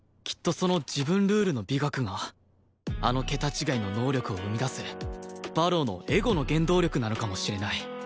その自分ルールの美学があの桁違いの能力を生み出す馬狼のエゴの原動力なのかもしれない